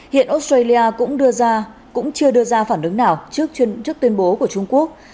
hiện australia cũng chưa đưa ra phản ứng nào trước tuyên bố của trung quốc